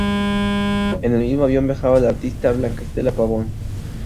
En el mismo avión viajaba la artista Blanca Estela Pavón.